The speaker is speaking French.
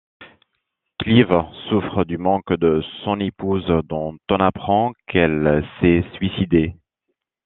Clive souffre du manque de son épouse dont on apprend qu'elle s'est suicidée.